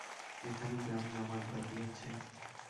এখানে গ্রাম জমাট বাধিয়াছে।